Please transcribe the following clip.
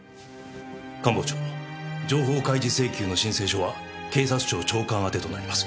官房長情報開示請求の申請書は警察庁長官宛てとなります。